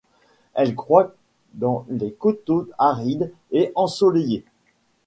Elle croît dans les coteaux arides et ensoleillés.